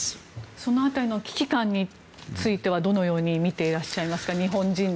その辺りの日本人の危機感についてはどのように見ていらっしゃいますか？